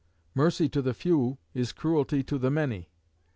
Mercy to the few is cruelty to the many.'